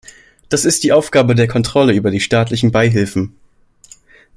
Das ist die Aufgabe der Kontrolle über die staatlichen Beihilfen.